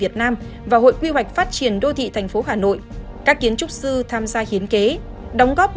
tham gia hiến kế đóng góp